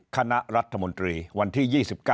คณะรัฐมนตรีวันที่๒๙